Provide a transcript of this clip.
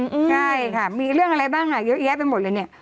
ใช่ค่ะมีเรื่องอะไรบ้างอ่ะเยอะแยะไปหมดเลยเนี่ย